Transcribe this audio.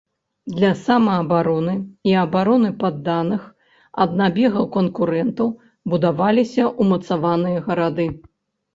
Для самаабароны і абароны падданых ад набегаў канкурэнтаў будаваліся умацаваныя гарады.